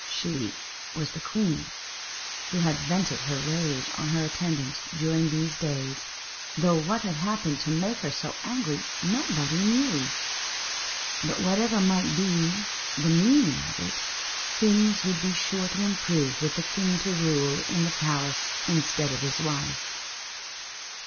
'She' was the queen, who had vented her rage on her attendants during these days, though what had happened to make her so angry nobody knew. But whatever might be the meaning of it, things would be sure to improve with the king to rule in the palace instead of his wife.